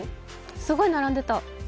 すごい並んでた。